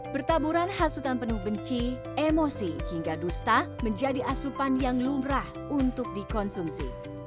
bertaburan hasutan penuh benci emosi hingga dusta menjadi asupan yang lumrah untuk dikonsumsi